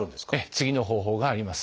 次の方法があります。